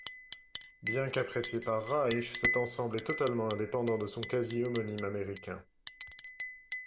Bien qu'apprécié par Reich, cet ensemble est totalement indépendant de son quasi homonyme américain.